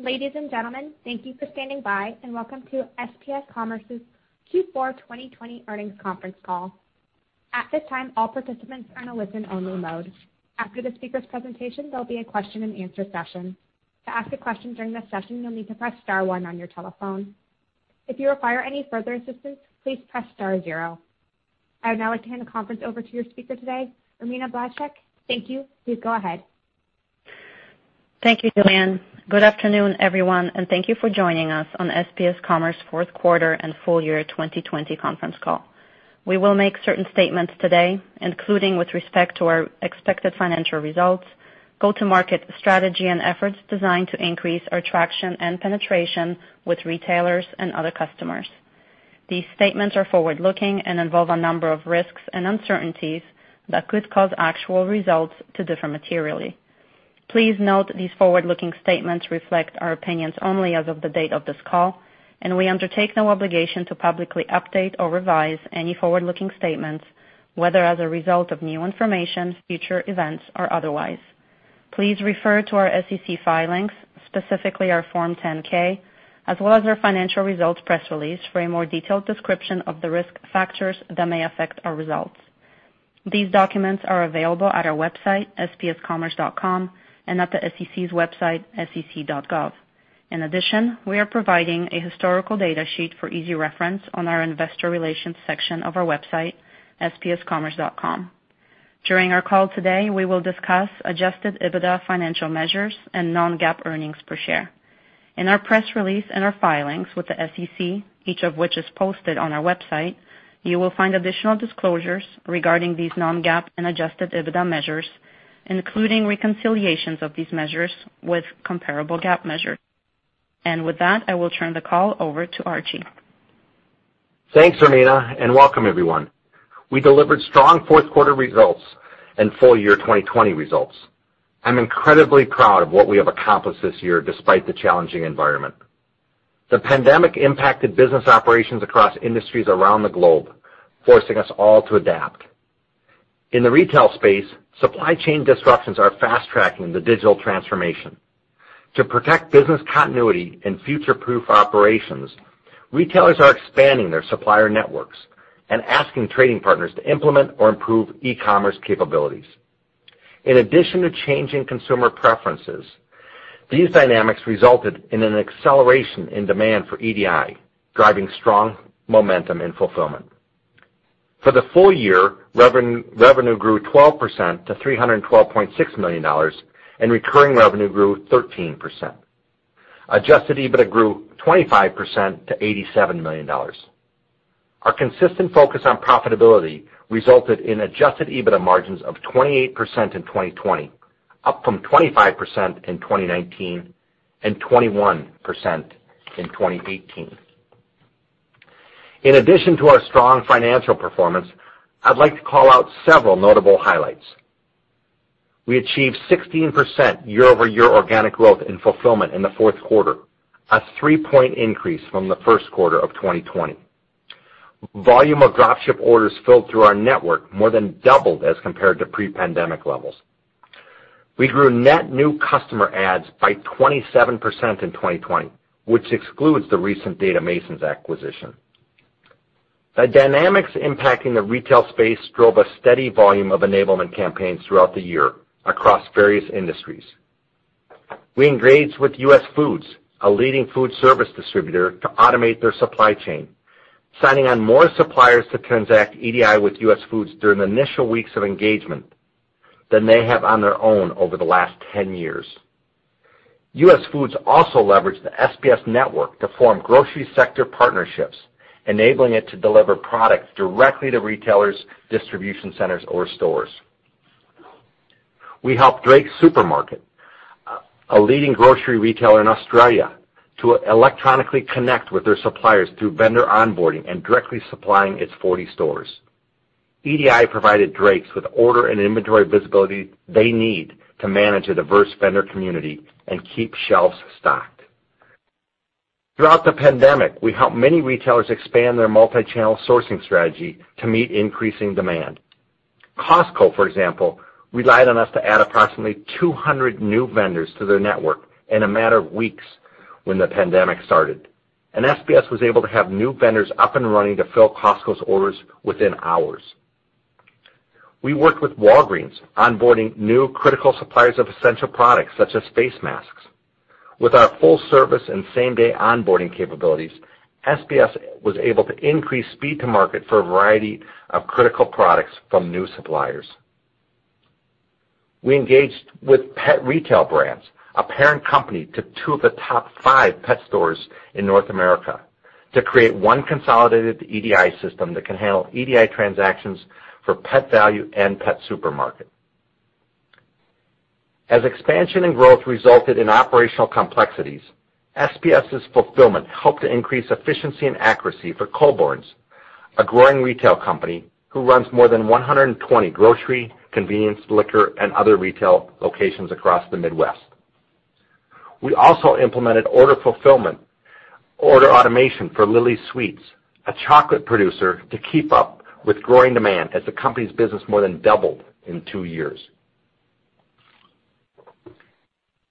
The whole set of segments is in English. Ladies and gentlemen, thank you for standing by and welcome to SPS Commerce's Q4 2020 earnings conference call. At this time, all participants are in a listen only mode. After the speaker's presentation, there will be a question and answer session. To ask a question during the session, you will need to press star one on your telephone. If you require any further assistance, please press star zero. I would now like to hand the conference over to your speaker today, Irmina Blaszczyk. Thank you. Please go ahead. Thank you, Julianne. Good afternoon, everyone, and thank you for joining us on SPS Commerce fourth quarter and full year 2020 conference call. We will make certain statements today, including with respect to our expected financial results, go-to-market strategy, and efforts designed to increase our traction and penetration with retailers and other customers. These statements are forward-looking and involve a number of risks and uncertainties that could cause actual results to differ materially. Please note these forward-looking statements reflect our opinions only as of the date of this call. We undertake no obligation to publicly update or revise any forward-looking statements, whether as a result of new information, future events, or otherwise. Please refer to our SEC filings, specifically our Form 10-K, as well as our financial results press release for a more detailed description of the risk factors that may affect our results. These documents are available at our website, spscommerce.com, and at the SEC's website, sec.gov. In addition, we are providing a historical data sheet for easy reference on our investor relations section of our website, spscommerce.com. During our call today, we will discuss adjusted EBITDA financial measures and non-GAAP earnings per share. In our press release and our filings with the SEC, each of which is posted on our website, you will find additional disclosures regarding these non-GAAP and adjusted EBITDA measures, including reconciliations of these measures with comparable GAAP measures. With that, I will turn the call over to Archie. Thanks, Irmina. Welcome everyone. We delivered strong fourth quarter results and full year 2020 results. I'm incredibly proud of what we have accomplished this year despite the challenging environment. The pandemic impacted business operations across industries around the globe, forcing us all to adapt. In the retail space, supply chain disruptions are fast-tracking the digital transformation. To protect business continuity and future-proof operations, retailers are expanding their supplier networks and asking trading partners to implement or improve e-commerce capabilities. In addition to changing consumer preferences, these dynamics resulted in an acceleration in demand for EDI, driving strong momentum and Fulfillment. For the full year, revenue grew 12% to $312.6 million. Recurring revenue grew 13%. Adjusted EBITDA grew 25% to $87 million. Our consistent focus on profitability resulted in adjusted EBITDA margins of 28% in 2020, up from 25% in 2019 and 21% in 2018. In addition to our strong financial performance, I'd like to call out several notable highlights. We achieved 16% year-over-year organic growth in Fulfillment in the fourth quarter, a three-point increase from the first quarter of 2020. Volume of drop ship orders filled through our network more than doubled as compared to pre-pandemic levels. We grew net new customer adds by 27% in 2020, which excludes the recent Data Masons acquisition. The dynamics impacting the retail space drove a steady volume of enablement campaigns throughout the year across various industries. We engaged with US Foods, a leading food service distributor, to automate their supply chain, signing on more suppliers to transact EDI with US Foods during the initial weeks of engagement than they have on their own over the last 10 years. US Foods also leveraged the SPS network to form grocery sector partnerships, enabling it to deliver products directly to retailers, distribution centers or stores. We helped Drakes Supermarkets, a leading grocery retailer in Australia, to electronically connect with their suppliers through vendor onboarding and directly supplying its 40 stores. EDI provided Drakes with order and inventory visibility they need to manage a diverse vendor community and keep shelves stocked. Throughout the pandemic, we helped many retailers expand their multi-channel sourcing strategy to meet increasing demand. Costco, for example, relied on us to add approximately 200 new vendors to their network in a matter of weeks when the pandemic started, and SPS was able to have new vendors up and running to fill Costco's orders within hours. We worked with Walgreens, onboarding new critical suppliers of essential products such as face masks. With our full service and same-day onboarding capabilities, SPS was able to increase speed to market for a variety of critical products from new suppliers. We engaged with Pet Retail Brands, a parent company to two of the top five pet stores in North America, to create one consolidated EDI system that can handle EDI transactions for Pet Valu and Pet Supermarket. As expansion and growth resulted in operational complexities, SPS's Fulfillment helped to increase efficiency and accuracy for Coborn's, a growing retail company who runs more than 120 grocery, convenience, liquor, and other retail locations across the Midwest. We also implemented order fulfillment automation for Lily's Sweets, a chocolate producer, to keep up with growing demand as the company's business more than doubled in two years.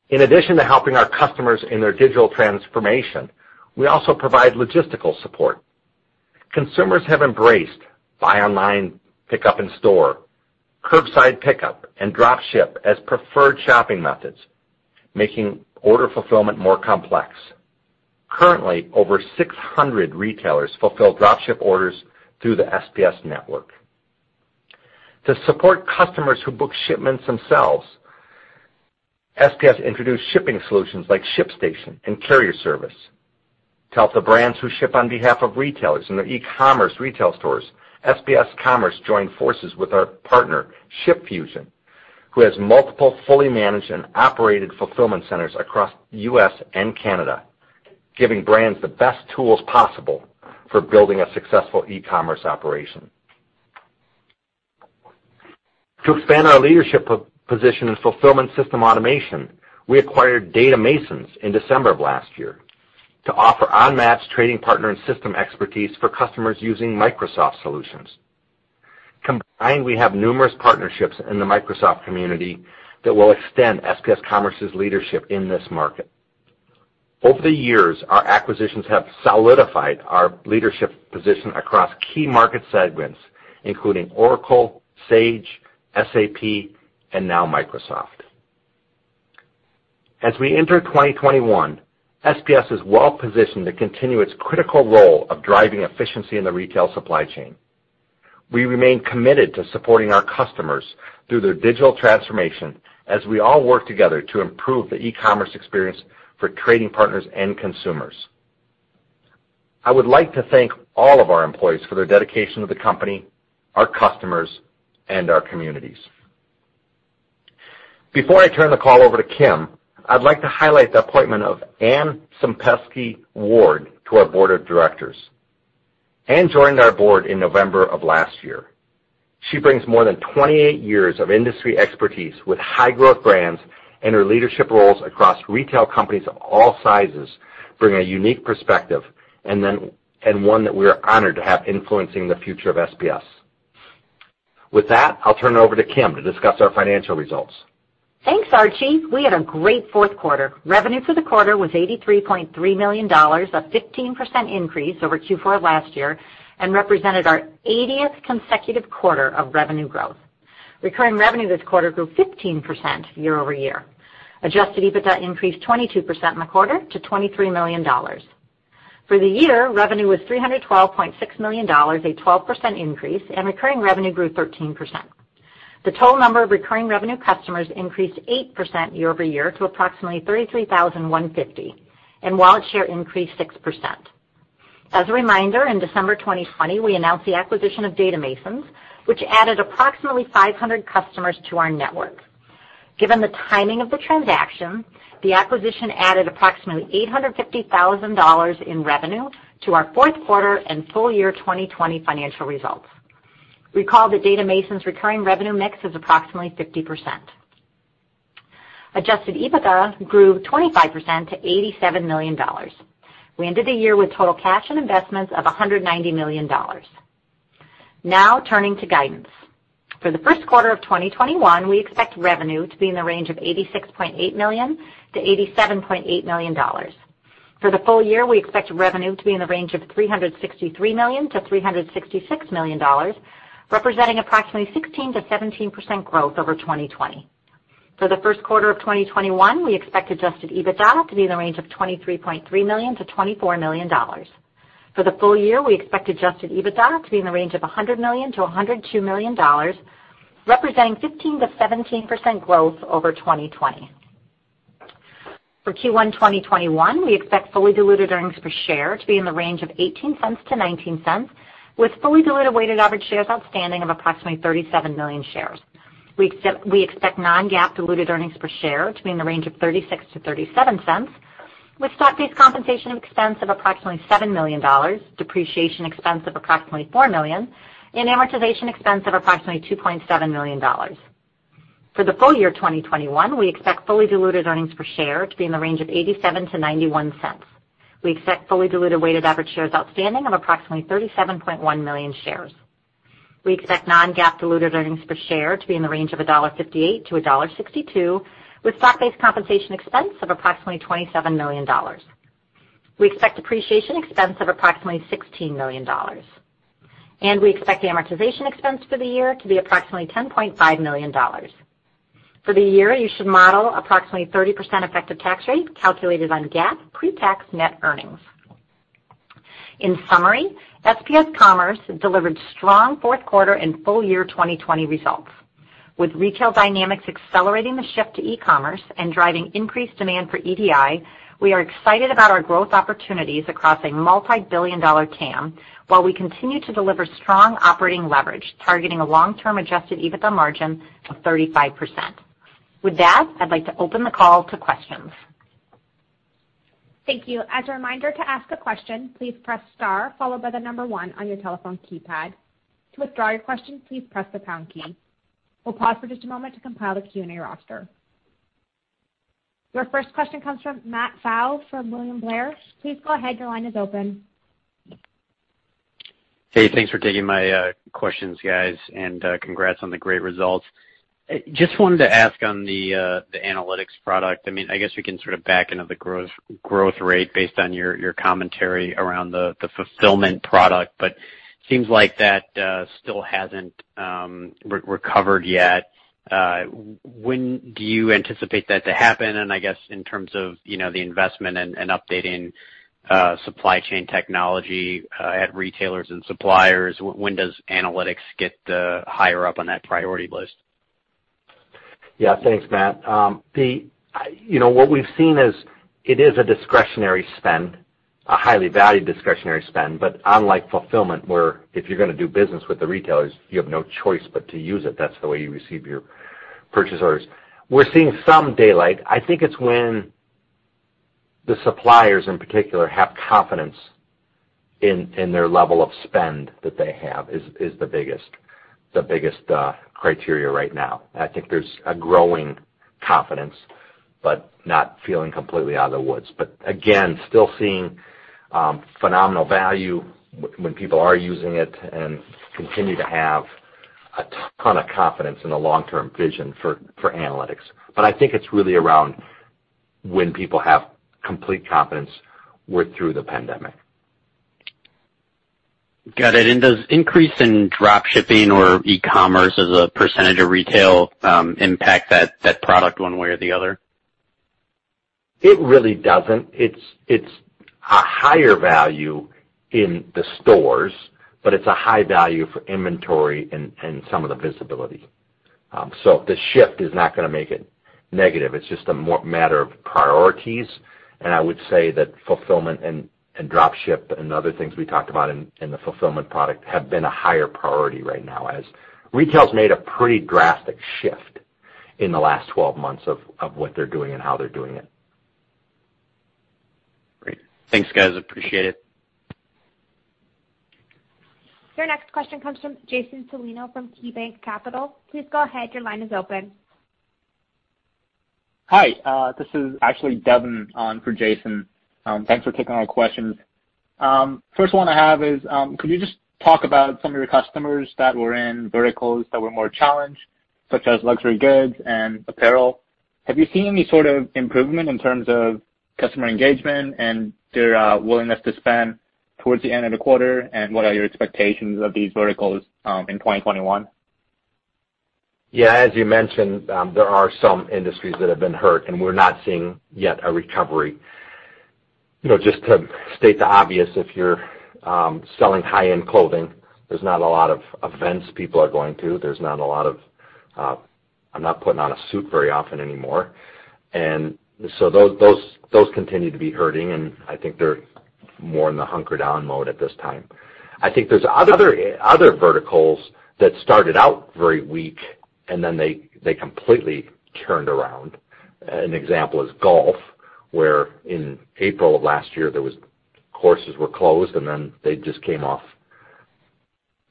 In addition to helping our customers in their digital transformation, we also provide logistical support. Consumers have embraced buy online, pickup in store, curbside pickup, and drop ship as preferred shopping methods, making order fulfillment more complex. Currently, over 600 retailers fulfill drop ship orders through the SPS network. To support customers who book shipments themselves, SPS introduced shipping solutions like ShipStation and carrier service. To help the brands who ship on behalf of retailers in their e-commerce retail stores, SPS Commerce joined forces with our partner, ShipFusion, who has multiple fully managed and operated fulfillment centers across the U.S. and Canada, giving brands the best tools possible for building a successful e-commerce operation. To expand our leadership position in Fulfillment system automation, we acquired Data Masons in December of last year to offer on-premise trading partner and system expertise for customers using Microsoft solutions. Combined, we have numerous partnerships in the Microsoft community that will extend SPS Commerce's leadership in this market. Over the years, our acquisitions have solidified our leadership position across key market segments, including Oracle, Sage, SAP, and now Microsoft. As we enter 2021, SPS is well positioned to continue its critical role of driving efficiency in the retail supply chain. We remain committed to supporting our customers through their digital transformation as we all work together to improve the e-commerce experience for trading partners and consumers. I would like to thank all of our employees for their dedication to the company, our customers, and our communities. Before I turn the call over to Kim, I'd like to highlight the appointment of Ann Svennungsen to our board of directors. Ann joined our board in November of last year. She brings more than 28 years of industry expertise with high growth brands, and her leadership roles across retail companies of all sizes, bring a unique perspective and one that we are honored to have influencing the future of SPS. With that, I'll turn it over to Kim to discuss our financial results. Thanks, Archie. We had a great fourth quarter. Revenue for the quarter was $83.3 million, a 15% increase over Q4 of last year, and represented our 80th consecutive quarter of revenue growth. Recurring revenue this quarter grew 15% year-over-year. Adjusted EBITDA increased 22% in the quarter to $23 million. For the year, revenue was $312.6 million, a 12% increase, and recurring revenue grew 13%. The total number of recurring revenue customers increased 8% year-over-year to approximately 33,150, and wallet share increased 6%. As a reminder, in December 2020, we announced the acquisition of Data Masons, which added approximately 500 customers to our network. Given the timing of the transaction, the acquisition added approximately $850,000 in revenue to our fourth quarter and full year 2020 financial results. Recall that Data Masons' recurring revenue mix is approximately 50%. Adjusted EBITDA grew 25% to $87 million. We ended the year with total cash and investments of $190 million. Now turning to guidance. For the first quarter of 2021, we expect revenue to be in the range of $86.8 million-$87.8 million. For the full year, we expect revenue to be in the range of $363 million-$366 million, representing approximately 16%-17% growth over 2020. For the first quarter of 2021, we expect adjusted EBITDA to be in the range of $23.3 million-$24 million. For the full year, we expect adjusted EBITDA to be in the range of $100 million-$102 million, representing 15%-17% growth over 2020. For Q1 2021, we expect fully diluted earnings per share to be in the range of $0.18-$0.19, with fully diluted weighted average shares outstanding of approximately 37 million shares. We expect non-GAAP diluted earnings per share to be in the range of $0.36-$0.37, with stock-based compensation expense of approximately $7 million, depreciation expense of approximately $4 million, and amortization expense of approximately $2.7 million. For the full year 2021, we expect fully diluted earnings per share to be in the range of $0.87-$0.91. We expect fully diluted weighted average shares outstanding of approximately 37.1 million shares. We expect non-GAAP diluted earnings per share to be in the range of $1.58-$1.62, with stock-based compensation expense of approximately $27 million. We expect depreciation expense of approximately $16 million. We expect amortization expense for the year to be approximately $10.5 million. For the year, you should model approximately 30% effective tax rate calculated on GAAP pre-tax net earnings. In summary, SPS Commerce delivered strong fourth quarter and full year 2020 results. With retail dynamics accelerating the shift to e-commerce and driving increased demand for EDI, we are excited about our growth opportunities across a multi-billion dollar TAM while we continue to deliver strong operating leverage, targeting a long-term adjusted EBITDA margin of 35%. With that, I'd like to open the call to questions. Thank you. As a reminder, to ask a question, please press star followed by the number 1 on your telephone keypad. To withdraw your question, please press the pound key. We'll pause for just a moment to compile the Q&A roster. Your first question comes from Matt Pfau from William Blair. Please go ahead, your line is open. Hey, thanks for taking my questions, guys, and congrats on the great results. Just wanted to ask on the Analytics product. I guess we can sort of back into the growth rate based on your commentary around the Fulfillment product, but seems like that still hasn't recovered yet. When do you anticipate that to happen? I guess in terms of the investment and updating supply chain technology at retailers and suppliers, when does Analytics get higher up on that priority list? Yeah. Thanks, Matt. What we've seen is it is a discretionary spend, a highly valued discretionary spend, unlike Fulfillment, where if you're going to do business with the retailers, you have no choice but to use it. That's the way you receive your purchase orders. We're seeing some daylight. I think it's when the suppliers, in particular, have confidence in their level of spend that they have is the biggest criteria right now. I think there's a growing confidence, but not feeling completely out of the woods. Again, still seeing phenomenal value when people are using it, and continue to have a ton of confidence in the long-term vision for Analytics. I think it's really around when people have complete confidence we're through the pandemic. Got it. Does increase in drop shipping or e-commerce as a percentage of retail impact that product one way or the other? It really doesn't. It's a higher value in the stores, but it's a high value for inventory and some of the visibility. The shift is not going to make it negative. It's just a matter of priorities, and I would say that Fulfillment and drop ship and other things we talked about in the Fulfillment product have been a higher priority right now, as retail's made a pretty drastic shift in the last 12 months of what they're doing and how they're doing it. Great. Thanks, guys, appreciate it. Your next question comes from Jason Celino from KeyBanc Capital. Please go ahead, your line is open. Hi, this is actually Devin on for Jason. Thanks for taking our questions. First one I have is, could you just talk about some of your customers that were in verticals that were more challenged, such as luxury goods and apparel? Have you seen any sort of improvement in terms of customer engagement and their willingness to spend towards the end of the quarter? What are your expectations of these verticals in 2021? Yeah, as you mentioned, there are some industries that have been hurt, and we're not seeing yet a recovery. Just to state the obvious, if you're selling high-end clothing, there's not a lot of events people are going to. I'm not putting on a suit very often anymore. Those continue to be hurting, and I think they're more in the hunkered down mode at this time. I think there's other verticals that started out very weak, and then they completely turned around. An example is golf, where in April of last year, courses were closed, and then they just came off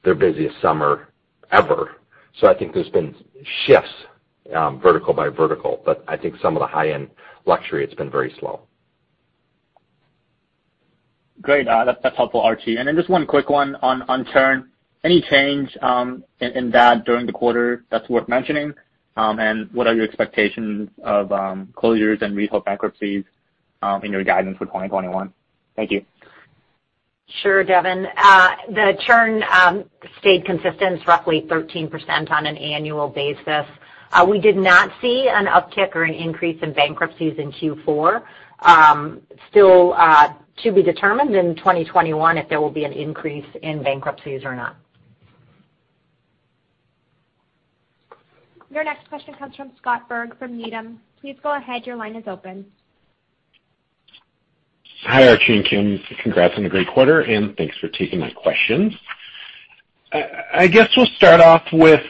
their busiest summer ever. I think there's been shifts vertical by vertical, but I think some of the high-end luxury, it's been very slow. Great. That's helpful, Archie. Just one quick one on churn. Any change in that during the quarter that's worth mentioning? What are your expectations of closures and retail bankruptcies in your guidance for 2021? Thank you. Sure, Devin. The churn stayed consistent, roughly 13% on an annual basis. We did not see an uptick or an increase in bankruptcies in Q4. Still to be determined in 2021 if there will be an increase in bankruptcies or not. Your next question comes from Scott Berg from Needham. Please go ahead, your line is open. Hi, Archie and Kim. Congrats on a great quarter, and thanks for taking my questions. I guess we'll start off with,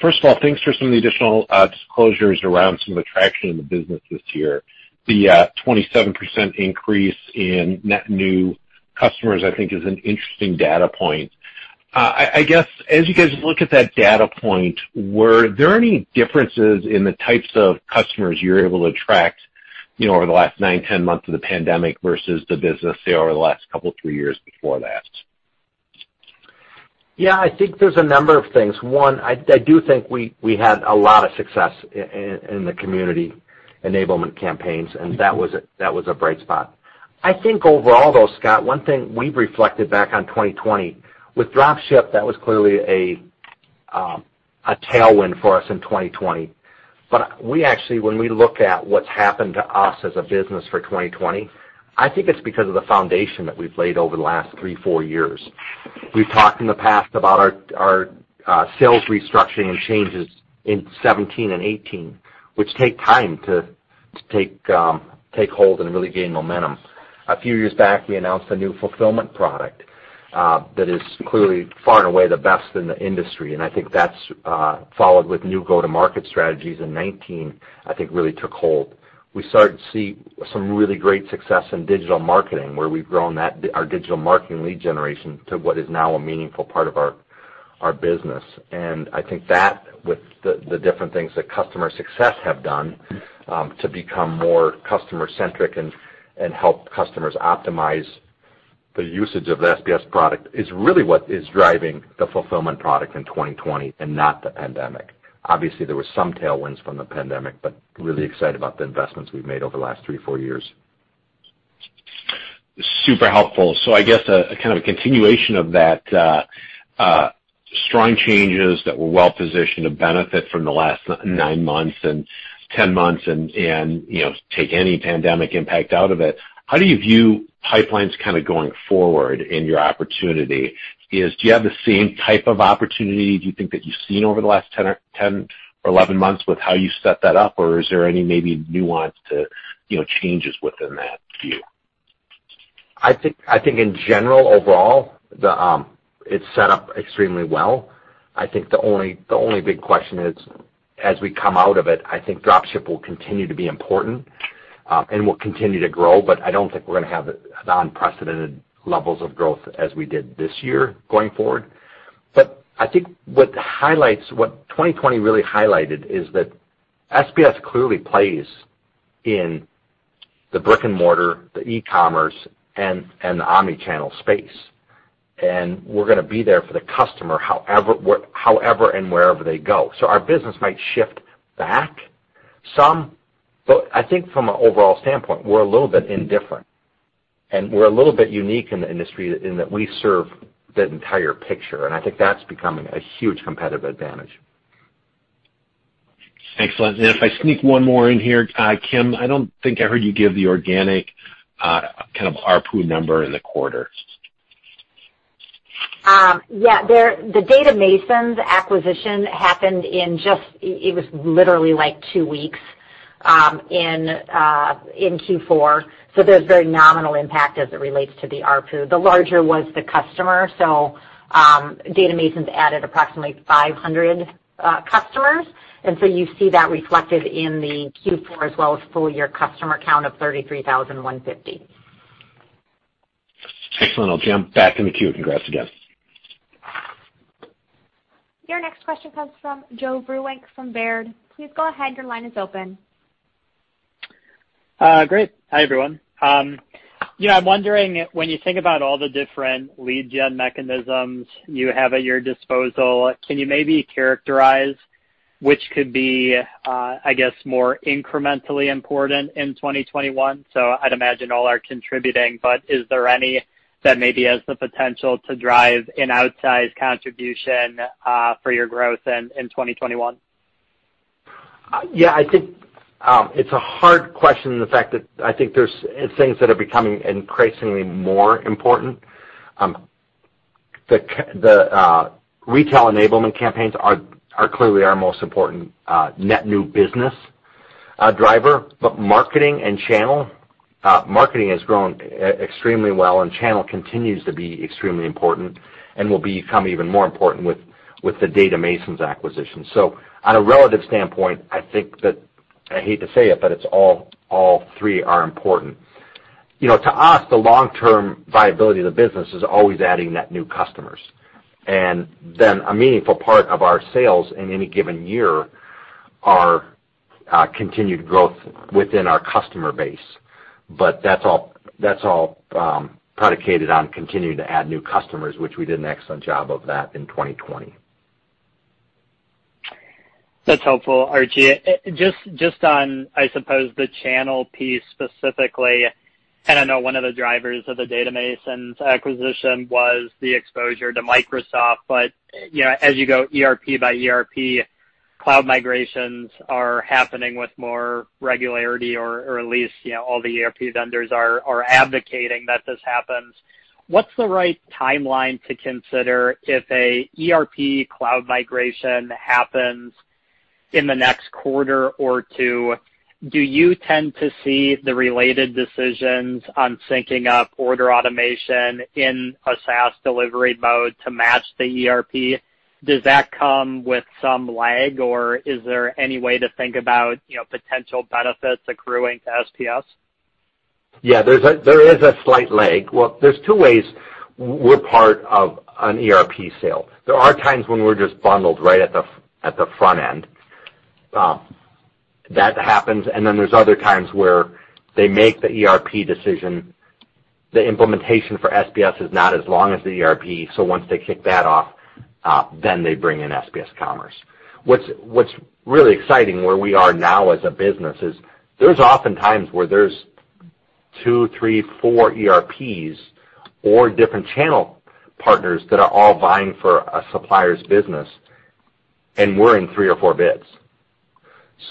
first of all, thanks for some of the additional disclosures around some of the traction in the business this year. The 27% increase in net new customers, I think, is an interesting data point. I guess as you guys look at that data point, were there any differences in the types of customers you're able to attract over the last nine, 10 months of the pandemic versus the business say over the last couple, three years before that? Yeah, I think there's a number of things. One, I do think we had a lot of success in the community enablement campaigns, and that was a bright spot. I think overall, though, Scott, one thing we've reflected back on 2020, with drop ship, that was clearly a tailwind for us in 2020. We actually, when we look at what's happened to us as a business for 2020, I think it's because of the foundation that we've laid over the last three, four years. We've talked in the past about our sales restructuring and changes in 2017 and 2018, which take time to take hold and really gain momentum. A few years back, we announced a new Fulfillment product that is clearly far and away the best in the industry, I think that's followed with new go-to-market strategies in 2019, I think really took hold. We started to see some really great success in digital marketing, where we've grown our digital marketing lead generation to what is now a meaningful part of our business. I think that with the different things that customer success have done to become more customer-centric and help customers optimize the usage of the SPS product is really what is driving the Fulfillment product in 2020 and not the pandemic. Obviously, there were some tailwinds from the pandemic. Really excited about the investments we've made over the last three, four years. Super helpful. I guess, a kind of a continuation of that, strong changes that were well-positioned to benefit from the last nine months and 10 months and take any pandemic impact out of it. How do you view pipelines kind of going forward in your opportunity is, do you have the same type of opportunity, do you think that you've seen over the last 10 or 11 months with how you set that up? Or is there any maybe nuance to changes within that view? I think in general, overall, it's set up extremely well. I think the only big question is as we come out of it, I think drop ship will continue to be important, and will continue to grow, I don't think we're going to have unprecedented levels of growth as we did this year going forward. I think what 2020 really highlighted is that SPS clearly plays in the brick and mortar, the e-commerce, and the omni-channel space. We're going to be there for the customer, however and wherever they go. Our business might shift back some, I think from an overall standpoint, we're a little bit indifferent, we're a little bit unique in the industry in that we serve the entire picture, I think that's becoming a huge competitive advantage. Excellent. If I sneak one more in here, Kim, I don't think I heard you give the organic, kind of ARPU number in the quarter. The Data Masons acquisition happened literally like two weeks, in Q4. There's very nominal impact as it relates to the ARPU. The larger was the customer, Data Masons added approximately 500 customers, and you see that reflected in the Q4 as well as full year customer count of 33,150. Excellent. I'll jump back in the queue. Congrats again. Your next question comes from Joe Vruwink from Baird. Please go ahead, your line is open. Great. Hi, everyone. I'm wondering, when you think about all the different lead gen mechanisms you have at your disposal, can you maybe characterize which could be, I guess, more incrementally important in 2021? I'd imagine all are contributing, but is there any that maybe has the potential to drive an outsized contribution for your growth in 2021? Yeah, I think it's a hard question in the fact that I think there's things that are becoming increasingly more important. The retail enablement campaigns are clearly our most important net new business driver. Marketing and channel, marketing has grown extremely well, and channel continues to be extremely important and will become even more important with the Data Masons acquisition. On a relative standpoint, I think that, I hate to say it, but it's all three are important. To us, the long-term viability of the business is always adding net new customers. A meaningful part of our sales in any given year are continued growth within our customer base. That's all predicated on continuing to add new customers, which we did an excellent job of that in 2020. That's helpful, Archie. Just on, I suppose, the channel piece specifically, and I know one of the drivers of the Data Masons acquisition was the exposure to Microsoft, but as you go ERP by ERP, cloud migrations are happening with more regularity or at least all the ERP vendors are advocating that this happens. What's the right timeline to consider if an ERP cloud migration happens in the next quarter or two? Do you tend to see the related decisions on syncing up order automation in a SaaS delivery mode to match the ERP? Does that come with some lag, or is there any way to think about potential benefits accruing to SPS? Yeah, there is a slight lag. Well, there's two ways we're part of an ERP sale. There are times when we're just bundled right at the front end. That happens, then there's other times where they make the ERP decision, the implementation for SPS is not as long as the ERP, so once they kick that off, then they bring in SPS Commerce. What's really exciting where we are now as a business is there's often times where there's two, three, four ERPs or different channel partners that are all vying for a supplier's business, and we're in three or four bids.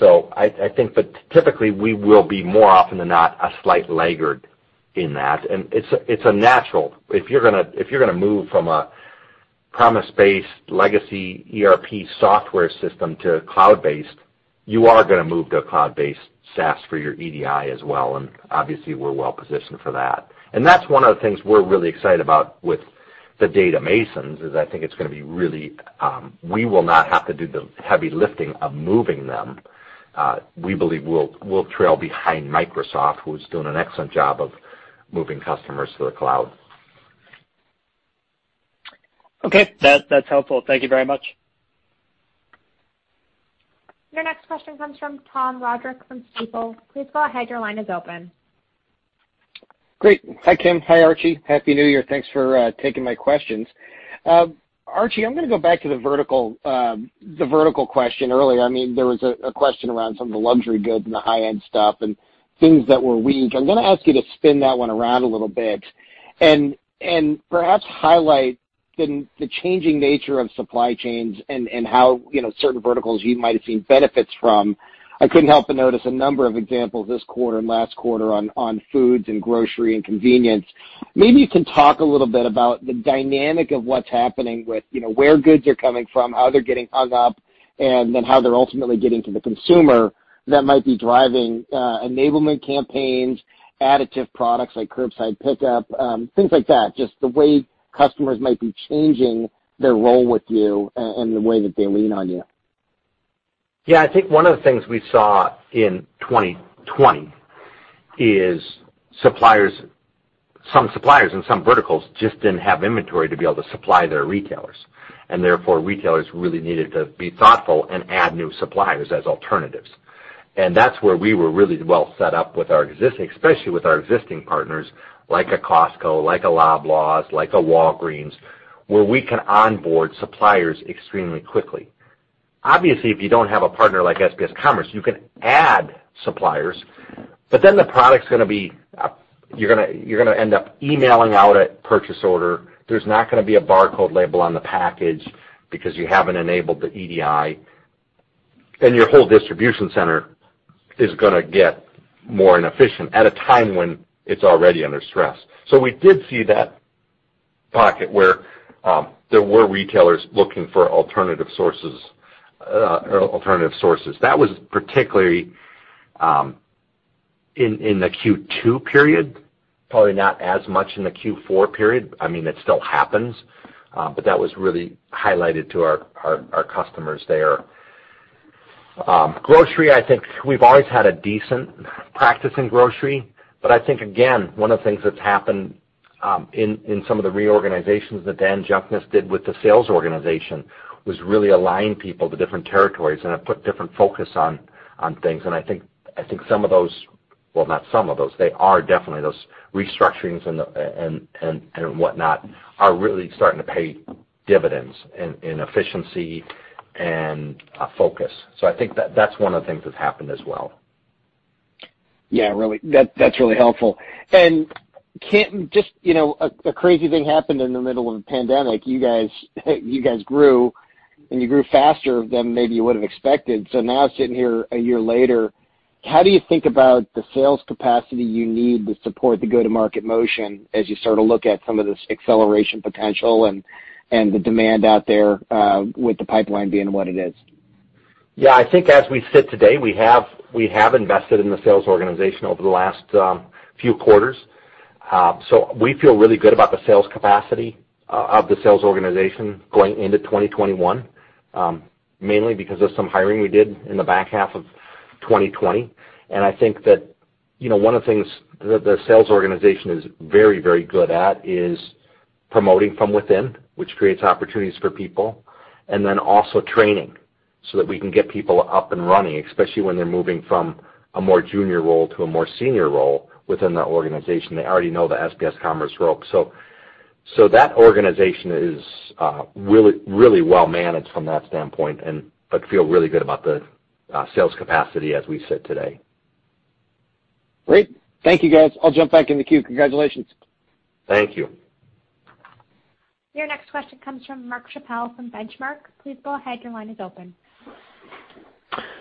I think that typically we will be more often than not, a slight laggard in that, and it's natural. If you're going to move from a premise-based legacy ERP software system to cloud-based, you are going to move to a cloud-based SaaS for your EDI as well, and obviously, we're well positioned for that. That's one of the things we're really excited about with The Data Masons is I think it's going to be really we will not have to do the heavy lifting of moving them. We believe we'll trail behind Microsoft, who's doing an excellent job of moving customers to the cloud. Okay. That's helpful. Thank you very much. Your next question comes from Tom Roderick from Stifel. Please go ahead. Your line is open. Great. Hi, Kim. Hi, Archie. Happy New Year. Thanks for taking my questions. Archie, I'm going to go back to the vertical question earlier. There was a question around some of the luxury goods and the high-end stuff and things that were weak. I'm going to ask you to spin that one around a little bit and perhaps highlight the changing nature of supply chains and how certain verticals you might have seen benefits from. I couldn't help but notice a number of examples this quarter and last quarter on foods and grocery and convenience. Maybe you can talk a little bit about the dynamic of what's happening where goods are coming from, how they're getting hung up, and then how they're ultimately getting to the consumer that might be driving enablement campaigns, additive products like curbside pickup, things like that, just the way customers might be changing their role with you and the way that they lean on you. Yeah. I think one of the things we saw in 2020 is some suppliers in some verticals just didn't have inventory to be able to supply their retailers. Therefore, retailers really needed to be thoughtful and add new suppliers as alternatives. That's where we were really well set up, especially with our existing partners, like a Costco, like a Loblaws, like a Walgreens, where we can onboard suppliers extremely quickly. Obviously, if you don't have a partner like SPS Commerce, you can add suppliers, you're going to end up emailing out a purchase order. There's not going to be a barcode label on the package because you haven't enabled the EDI. Your whole distribution center is going to get more inefficient at a time when it's already under stress. We did see that pocket where there were retailers looking for alternative sources. That was particularly in the Q2 period, probably not as much in the Q4 period. It still happens, but that was really highlighted to our customers there. Grocery, I think we've always had a decent practice in grocery. I think, again, one of the things that's happened in some of the reorganizations that Dan Juckniess did with the sales organization was really align people to different territories and have put different focus on things. I think some of those, well, not some of those, they are definitely those restructurings and whatnot, are really starting to pay dividends in efficiency and focus. I think that that's one of the things that's happened as well. Yeah, that's really helpful. Kim, just a crazy thing happened in the middle of the pandemic. You guys grew, and you grew faster than maybe you would've expected. Now sitting here a year later, how do you think about the sales capacity you need to support the go-to-market motion as you start to look at some of this acceleration potential and the demand out there with the pipeline being what it is? Yeah. I think as we sit today, we have invested in the sales organization over the last few quarters. We feel really good about the sales capacity of the sales organization going into 2021, mainly because of some hiring we did in the back half of 2020. I think that one of the things that the sales organization is very good at is promoting from within, which creates opportunities for people. Also training, so that we can get people up and running, especially when they're moving from a more junior role to a more senior role within the organization. They already know the SPS Commerce rope. That organization is really well managed from that standpoint, but feel really good about the sales capacity as we sit today. Great. Thank you, guys. I'll jump back in the queue. Congratulations. Thank you. Your next question comes from Mark Schappel from Benchmark. Please go ahead. Your line is open.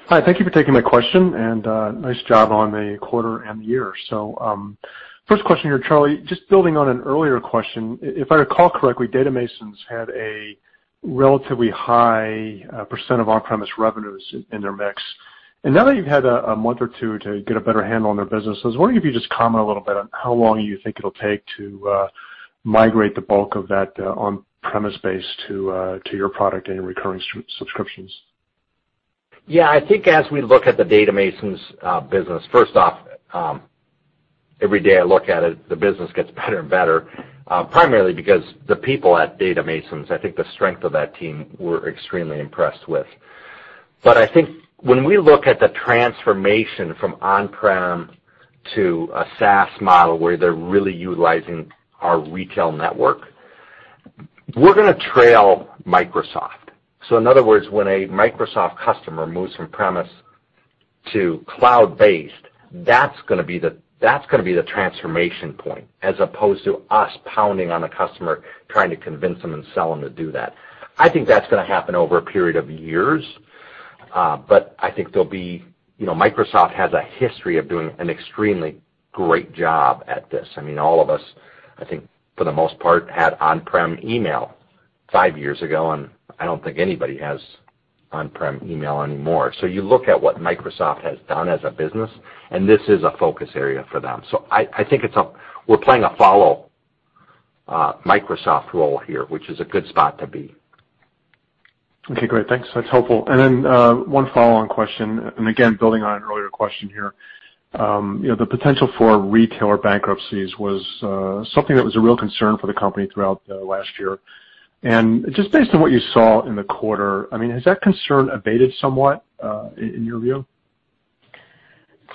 Hi. Thank you for taking my question, nice job on the quarter and the year. First question here, Charlie, just building on an earlier question. If I recall correctly, Data Masons had a relatively high % of on-premise revenues in their mix. Now that you've had a month or two to get a better handle on their businesses, I was wondering if you could just comment a little bit on how long you think it'll take to migrate the bulk of that on-premise base to your product and your recurring subscriptions. I think as we look at the Data Masons business, first off, every day I look at it, the business gets better and better, primarily because the people at Data Masons, I think the strength of that team we're extremely impressed with. I think when we look at the transformation from on-prem to a SaaS model where they're really utilizing our retail network, we're going to trail Microsoft. In other words, when a Microsoft customer moves from premise to cloud-based, that's going to be the transformation point, as opposed to us pounding on a customer, trying to convince them and sell them to do that. I think that's going to happen over a period of years, but I think Microsoft has a history of doing an extremely great job at this. All of us, I think for the most part, had on-prem email Five years ago, and I don't think anybody has on-prem email anymore. You look at what Microsoft has done as a business, and this is a focus area for them. I think we're playing a follow Microsoft role here, which is a good spot to be. Okay, great. Thanks. That's helpful. One follow-on question, and again, building on an earlier question here. The potential for retailer bankruptcies was something that was a real concern for the company throughout last year. Just based on what you saw in the quarter, has that concern abated somewhat, in your view?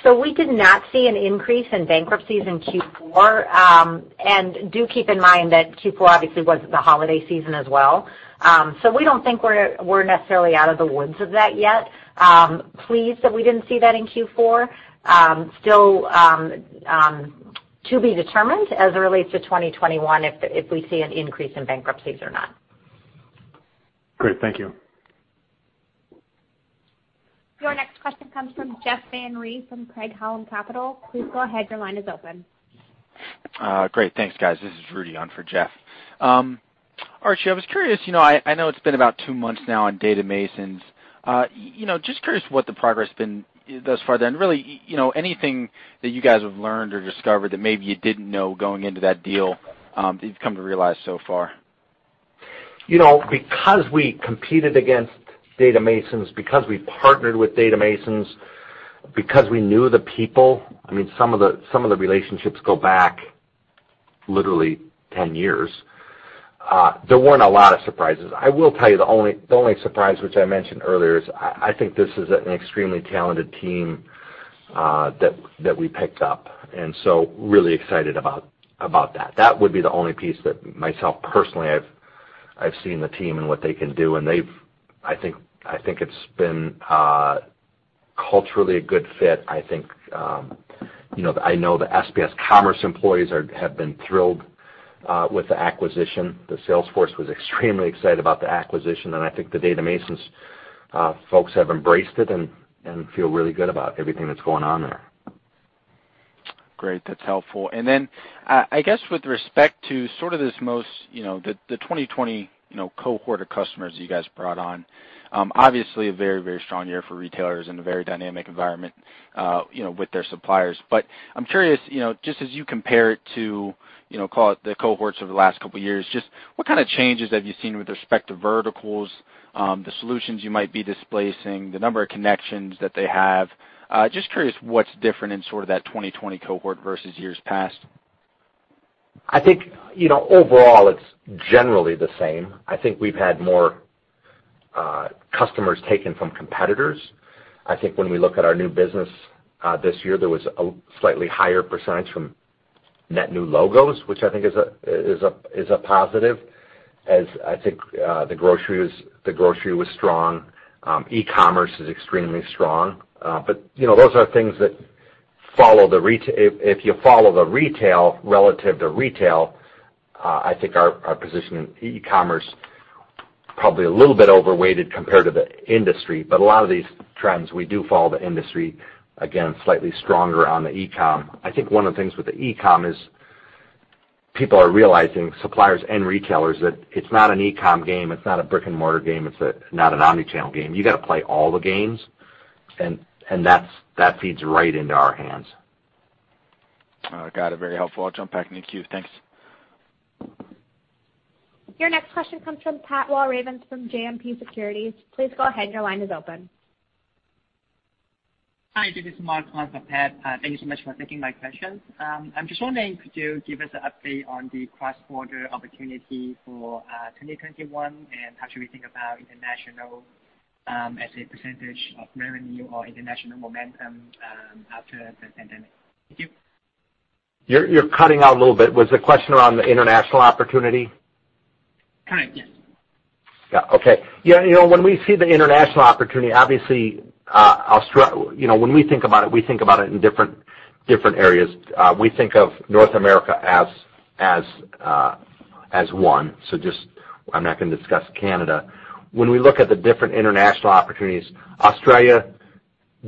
We did not see an increase in bankruptcies in Q4. Do keep in mind that Q4 obviously was the holiday season as well. We don't think we're necessarily out of the woods of that yet. Pleased that we didn't see that in Q4. Still to be determined as it relates to 2021 if we see an increase in bankruptcies or not. Great. Thank you. Your next question comes from Jeff Van Rhee from Craig-Hallum Capital Group. Please go ahead, your line is open. Great. Thanks, guys. This is Rudy on for Jeff. Archie, I was curious, I know it's been about two months now on Data Masons. Just curious what the progress has been thus far then. Really, anything that you guys have learned or discovered that maybe you didn't know going into that deal, that you've come to realize so far? Because we competed against Data Masons, because we partnered with Data Masons, because we knew the people, some of the relationships go back literally 10 years, there weren't a lot of surprises. I will tell you the only surprise, which I mentioned earlier, is I think this is an extremely talented team that we picked up, and so really excited about that. That would be the only piece that myself personally, I've seen the team and what they can do, and I think it's been culturally a good fit. I know the SPS Commerce employees have been thrilled with the acquisition. The sales force was extremely excited about the acquisition, and I think the Data Masons folks have embraced it and feel really good about everything that's going on there. Great. That's helpful. I guess with respect to sort of the 2020 cohort of customers you guys brought on. Obviously a very, very strong year for retailers and a very dynamic environment with their suppliers. I'm curious, just as you compare it to call it the cohorts over the last two years, just what kind of changes have you seen with respect to verticals, the solutions you might be displacing, the number of connections that they have? Just curious what's different in sort of that 2020 cohort versus years past. I think, overall, it's generally the same. I think we've had more customers taken from competitors. I think when we look at our new business this year, there was a slightly higher percentage from net new logos, which I think is a positive, as I think the grocery was strong. E-commerce is extremely strong. Those are things that, if you follow the retail relative to retail, I think our position in e-commerce probably a little bit overweighted compared to the industry. A lot of these trends, we do follow the industry, again, slightly stronger on the e-com. I think one of the things with the e-com is people are realizing, suppliers and retailers, that it's not an e-com game, it's not a brick-and-mortar game, it's not an omnichannel game. You got to play all the games, and that feeds right into our hands. Got it. Very helpful. I'll jump back in the queue. Thanks. Your next question comes from Pat Walravens from JMP Securities. Please go ahead, your line is open. Hi, this is Mark on behalf of Pat. Thank you so much for taking my question. I'm just wondering, could you give us an update on the cross-border opportunity for 2021, and how should we think about international as a % of revenue or international momentum after the pandemic? Thank you. You're cutting out a little bit. Was the question around the international opportunity? Correct. Yes. When we see the international opportunity, obviously when we think about it, we think about it in different areas. We think of North America as one, so just I'm not going to discuss Canada. When we look at the different international opportunities, Australia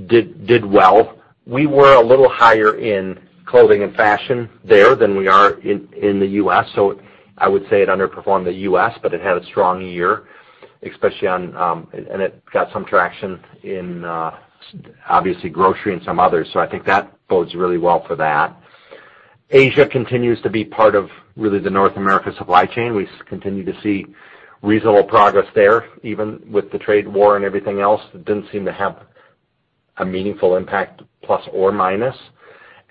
did well. We were a little higher in clothing and fashion there than we are in the U.S., so I would say it underperformed the U.S., but it had a strong year, and it got some traction in, obviously, grocery and some others, so I think that bodes really well for that. Asia continues to be part of really the North America supply chain. We continue to see reasonable progress there, even with the trade war and everything else. It didn't seem to have a meaningful impact, plus or minus.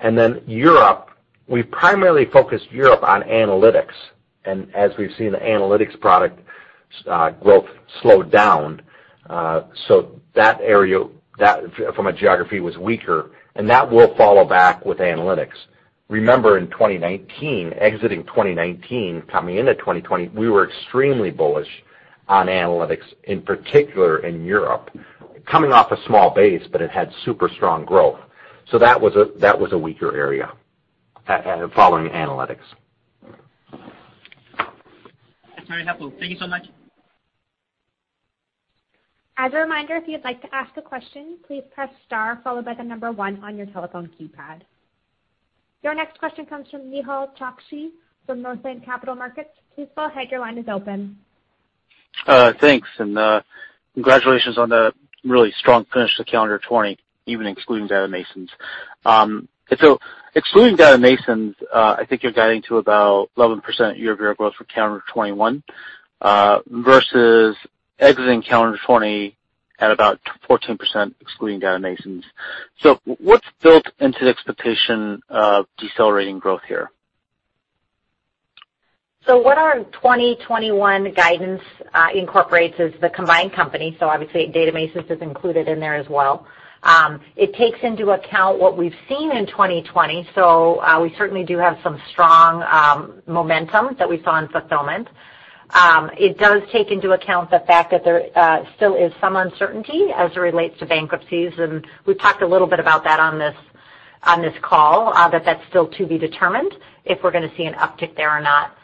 Then Europe, we've primarily focused Europe on Analytics. As we've seen, the Analytics product growth slowed down. That area from a geography was weaker, and that will follow back with Analytics. Remember in 2019, exiting 2019, coming into 2020, we were extremely bullish on Analytics, in particular in Europe. Coming off a small base, but it had super strong growth. That was a weaker area following Analytics. That's very helpful. Thank you so much. As a reminder, if you'd like to ask a question, please press star followed by the number 1 on your telephone keypad. Your next question comes from Nehal Chokshi from Northland Capital Markets. Please go ahead. Your line is open. Thanks, congratulations on the really strong finish to calendar 2020, even excluding Data Masons. Excluding Data Masons, I think you're guiding to about 11% year-over-year growth for calendar 2021, versus exiting calendar 2020 at about 14%, excluding Data Masons. What's built into the expectation of decelerating growth here? What our 2021 guidance incorporates is the combined company. Obviously, Data Masons is included in there as well. It takes into account what we've seen in 2020, we certainly do have some strong momentum that we saw in Fulfillment. It does take into account the fact that there still is some uncertainty as it relates to bankruptcies, and we've talked a little bit about that on this call, that that's still to be determined if we're going to see an uptick there or not.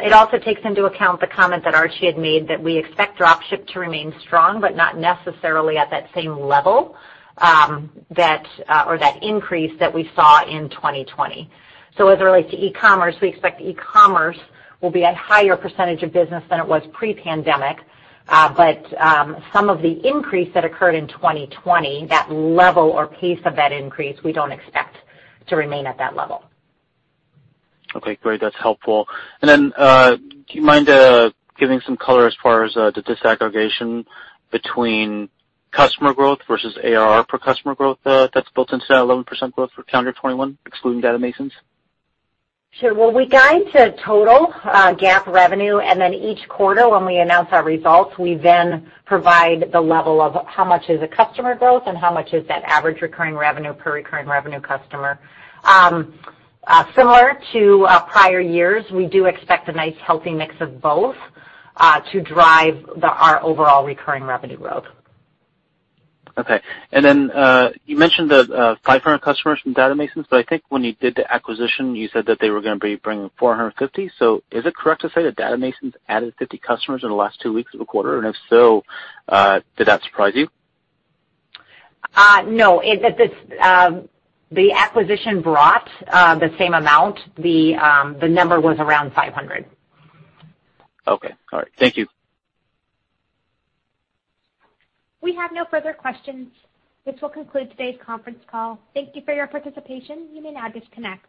It also takes into account the comment that Archie had made that we expect drop ship to remain strong, but not necessarily at that same level, or that increase that we saw in 2020. As it relates to e-commerce, we expect e-commerce will be a higher percentage of business than it was pre-pandemic. Some of the increase that occurred in 2020, that level or pace of that increase, we don't expect to remain at that level. Okay, great. That's helpful. Do you mind giving some color as far as the disaggregation between customer growth versus ARR per customer growth that's built into that 11% growth for calendar 2021, excluding Data Masons? Sure. We guide to total GAAP revenue, each quarter, when we announce our results, we then provide the level of how much is a customer growth and how much is that average recurring revenue per recurring revenue customer. Similar to prior years, we do expect a nice healthy mix of both, to drive our overall recurring revenue growth. Okay. You mentioned the 500 customers from DataMasons, I think when you did the acquisition, you said that they were going to be bringing 450. Is it correct to say that DataMasons added 50 customers in the last two weeks of the quarter, and if so, did that surprise you? No. The acquisition brought the same amount. The number was around 500. Okay. All right. Thank you. We have no further questions. This will conclude today's conference call. Thank you for your participation. You may now disconnect.